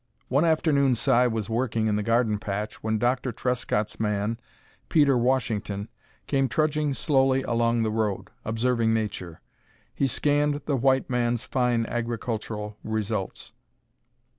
One afternoon Si was working in the garden patch, when Doctor Trescott's man, Peter Washington, came trudging slowly along the road, observing nature. He scanned the white man's fine agricultural results.